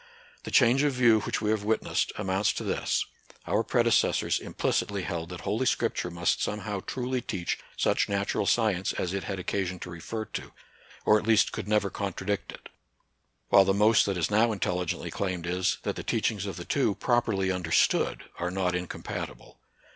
The change of view which we have witnessed amounts to this. Our predecessors implicitly held that Holy Scripture must somehow truly teach such natural science as it had occasion to refer to, or at least could never contradict it ; while the most that is now intelligently claimed is, that the teachings of the two, properly understood, are not incompati ble.